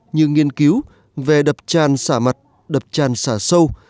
như nghiên cứu về đập tràn xả mặt đập tràn xả sâu